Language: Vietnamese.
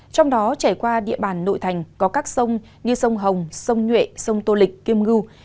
trong đó trải qua địa bàn nội thành có các sông như sông hồng sông nhuệ sông tô lịch kim ngưu